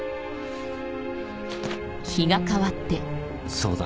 そうだ。